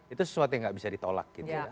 itu sesuatu yang gak bisa ditolak gitu ya